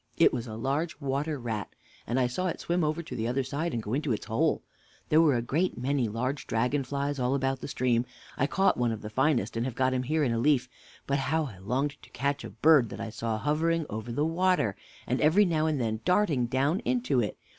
It was a large water rat, and I saw it swim over to the other side, and go into its hole. There were a great many large dragon flies all about the stream. I caught one of the finest, and have got him here in a leaf. But how I longed to catch a bird that I saw hovering over the water, and every now and then darting down into it!